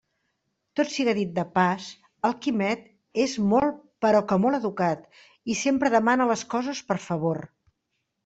Tot siga dit de pas, el Quimet és molt però que molt educat, i sempre demana les coses per favor.